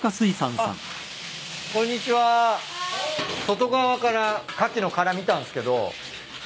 外側からカキの殻見たんすけど。